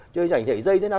chơi giải nhảy dây như thế nào